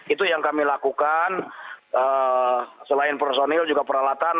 itu yang kami lakukan selain personil juga peralatan